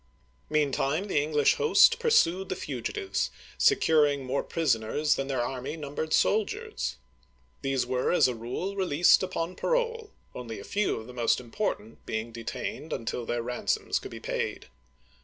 Meantime, the English host pursued the fugitives, securing more prisoners than their army numbered sol diers. These were, as a rule, released upon parole, only a few of the most important being detained until their ran soms could be paid.